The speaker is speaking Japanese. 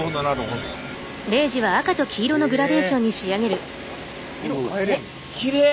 うわっきれい！